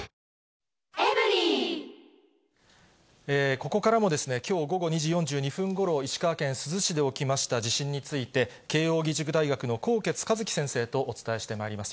ここからも、きょう午後２時４２分ごろ、石川県珠洲市で起きました地震について、慶應義塾大学の纐纈一起先生とお伝えしてまいります。